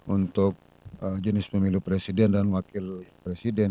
untuk jenis pemilu presiden dan wakil presiden